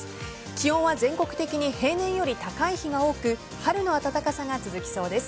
気温は全国的に平年より高い日が多く春の暖かさが続きそうです。